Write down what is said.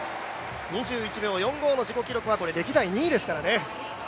２１秒４５の自己ベストは歴代２位ですからね。